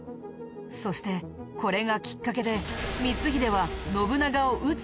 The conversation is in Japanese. そしてこれがきっかけで光秀は信長を討つ